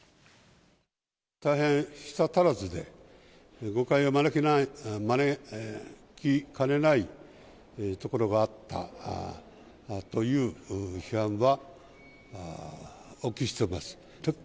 大変舌足らずで、誤解を招きかねないところがあったという批判はお聞きしております。